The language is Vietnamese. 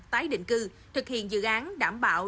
tái định cư thực hiện dự án đảm bảo